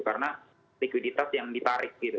karena likuiditas yang ditarik gitu